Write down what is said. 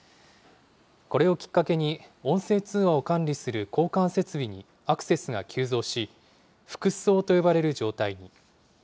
これをきっかけに音声通話を管理する交換設備にアクセスが急増し、ふくそうと呼ばれる状態に。